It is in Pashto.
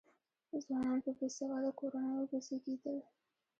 ځوانان په بې سواده کورنیو کې زېږېدل.